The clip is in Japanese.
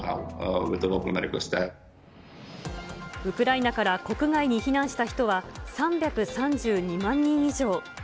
ウクライナから国外に避難した人は３３２万人以上。